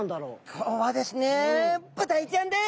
今日はですねブダイちゃんです。